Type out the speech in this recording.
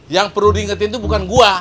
yang perlu diingetin itu bukan gua